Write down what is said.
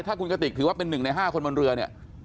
ถ้าคุณกะติกถือว่าเป็นหนึ่งในห้าคนบนเรือเนี่ย